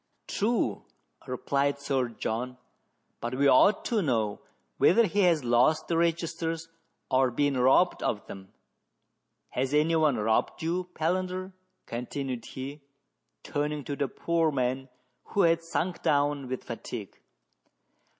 " True," replied Sir John, " but we ought to know whether he has lost the registers or been robbed of them.. Has any one robbed you, Palander ?" continued he, turning to the poor man, who had sunk down with fatigue.